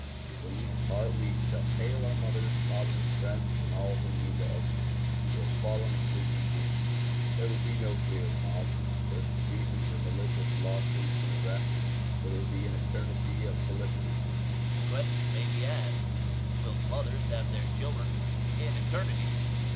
When we depart, we shall hail our mothers, fathers, friends, and all whom we love, who have fallen asleep in Jesus. There will be no fear of mobs, persecutions, or malicious lawsuits and arrests; but it will be an eternity of felicity.13 A question may be asked—"Will mothers have their children in eternity?"